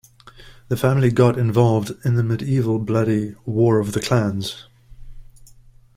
The family got involved in the medieval bloody War of the Clans.